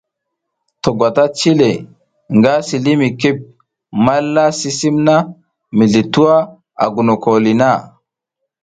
To gwata cile nga si li mi kip malla sisim na mizli twua a goloko li na.